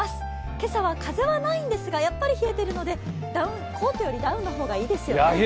今朝は風はないんですが、やっぱり冷えているので、コートよりダウンの方がいいですよね。